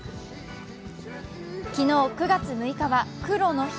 昨日９月６日は黒の日。